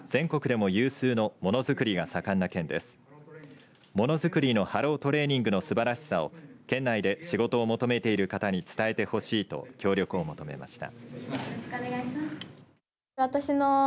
ものづくりのハロートレーニングの素晴らしさを県内で仕事を求めている方に伝えてほしいと協力を求めました。